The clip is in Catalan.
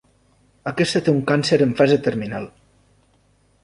Aquesta té un càncer en fase terminal.